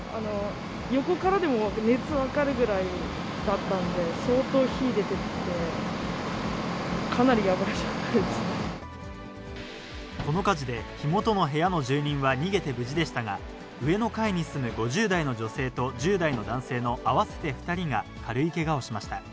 横からでも熱分かるぐらいだったんで、相当、火出てて、かなりやこの火事で、火元の部屋の住人は逃げて無事でしたが、上の階に住む５０代の女性と１０代の男性の合わせて２人が軽いけがをしました。